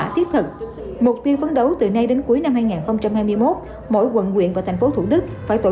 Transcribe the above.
thống thật mục tiêu phấn đấu từ nay đến cuối năm hai nghìn hai mươi một mỗi quận nguyện và tp thủ đức phải tổ